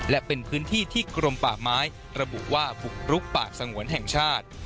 และเป็นพื้นที่ที่กรมป่าไม้ระบุว่าบุกรุกป่าสงวนแห่งชาติ